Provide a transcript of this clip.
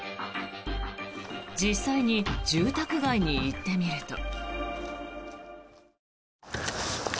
実際に住宅街に行ってみると。